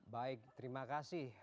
baik terima kasih